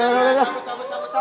baru baru aja semua ya